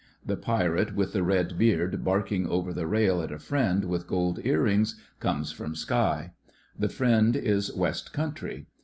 The pirate with the red beard barking over the rail at a friend with gold earrings comes from Skye. The friend is West Coun try.